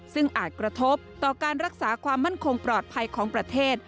ซึ่งอาจกระทบต่อการรักษาความมั่นคงปลอดภัยของประเทศ